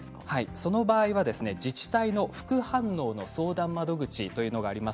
その場合は自治体の副反応の相談窓口というのがあります。